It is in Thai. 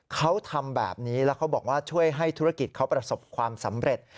เขาทำแบบนี้แล้วเขาบอกว่าช่วยให้ธุรกิจเขาประสบความสำเร็จ